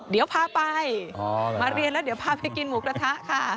เดี๋ยวพาไปมาเรียนแล้วเดี๋ยวพาไปกินหมูกระทะค่ะ